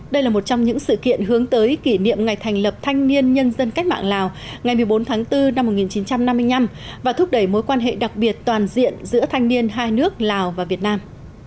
đây là một trong những sự kiện hướng tới kỷ niệm ngày thành lập thanh niên nhân dân cách mạng lào ngày một mươi bốn tháng bốn năm một nghìn chín trăm năm mươi năm và thúc đẩy mối quan hệ đặc biệt toàn diện giữa thanh niên hai nước lào và việt nam